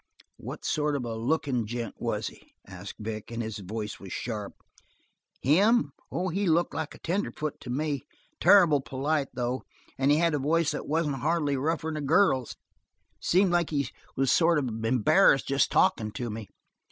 "What sort of a lookin' gent was he?" asked Vic, and his voice was sharp. "Him? Oh, he looked like a tenderfoot to me. Terrible polite, though, and he had a voice that wasn't hardly rougher'n a girl's. Seemed like he was sort of embarrassed jest talkin' to me."